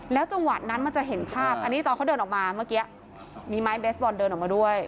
จังหวะนั้นมันจะเห็นภาพอันนี้ตอนเขาเดินออกมาเมื่อกี้มีไม้เบสบอลเดินออกมาด้วย